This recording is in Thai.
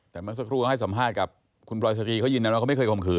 แต่เมื่อสักครู่เขาให้สัมภาษณ์กับคุณปลอยสตรีเขายืนยันว่าเขาไม่เคยข่มขื